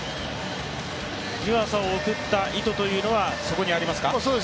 湯浅を送った意図というのはそこにありますか？